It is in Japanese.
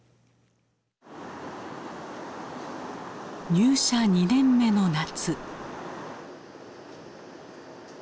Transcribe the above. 入社２年目の夏。